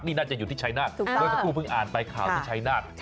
นี่น่าจะอยู่ที่ชัยนาธิ์เพิ่งอ่านไปข่าวที่ชัยนาธิ์